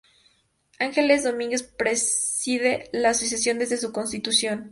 Ángeles Domínguez preside la asociación desde su constitución.